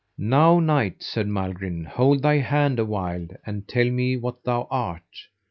Now knight, said Malgrin, hold thy hand a while, and tell me what thou art.